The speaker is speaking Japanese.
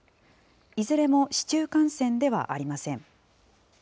いずれも市中感染ではありません。